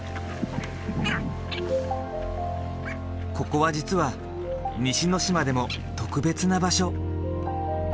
ここは実は西之島でも特別な場所。